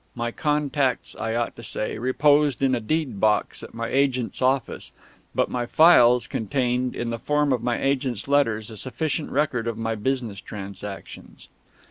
My contracts, I ought to say, reposed in a deed box at my agent's office; but my files contained, in the form of my agent's letters, a sufficient record of my business transactions.